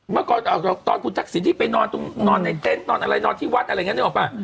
เมื่อก่อนตอนคุณทักษิณที่ไปนอนตรงนอนในเต็นต์นอนอะไรนอนที่วัดอะไรอย่างนี้นึกออกป่ะ